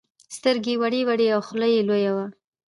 سترگې يې وړې وړې او خوله يې لويه وه.